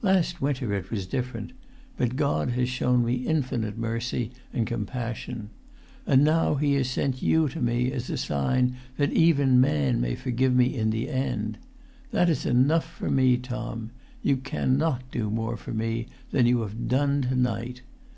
Last winter it was different; but God has shown me infinite mercy and[Pg 234] compassion. And now He has sent you to me, as a sign that even man may forgive me in the end! That is enough for me, Tom. You cannot do more for me than you have done to night.